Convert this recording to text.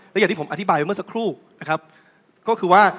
อย่างที่ผมอธิบายเมื่อสักครู่เราก็คิดว่า